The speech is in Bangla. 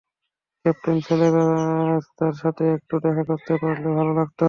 ক্যাপ্টেন, ছেলেটার সাথে একটু দেখা করতে পারলে ভালো লাগতো।